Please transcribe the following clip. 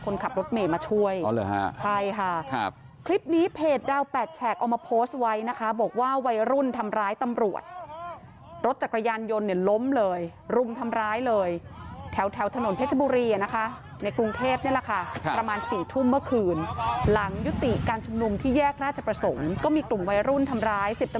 แล้วจะเล่าความคืบหน้าให้ฟังค่ะ